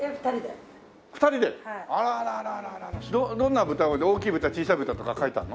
どんな豚を大きい豚小さい豚とか書いてあるの？